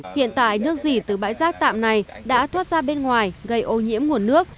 hiện tại nước dỉ từ bãi rác tạm này đã thoát ra bên ngoài gây ô nhiễm nguồn nước